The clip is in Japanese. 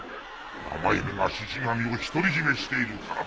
山犬がシシ神を独り占めしているからだ。